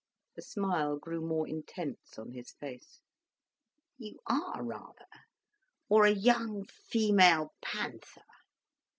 The smile grew more intense on his face. "You are, rather; or a young, female panther."